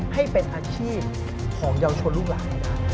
ให้เป็นอาชีพของเยาวชนลูกหลาน